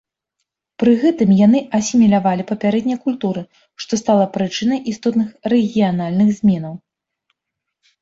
Пры гэтым яны асімілявалі папярэднія культуры, што стала прычынай істотных рэгіянальных зменаў.